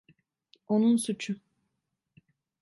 Onun suçu.